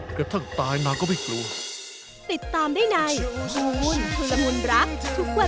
ก็ทั้งตายนางก็ไม่กลัว